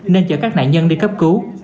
để các nạn nhân đi cấp cứu